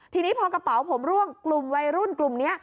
ทีนี้พอกระเป๋าผมร่วงกลุ่มวัยรุ่นกลุ่มนี้